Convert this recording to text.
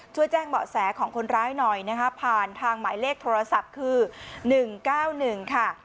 ช่วยแจ้งเบาะแสของคนร้ายหน่อยนะคะผ่านทางหมายเลขโทรศัพท์คือ๑๙๑ค่ะ